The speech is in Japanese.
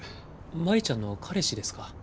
舞ちゃんの彼氏ですか。